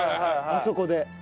あそこで。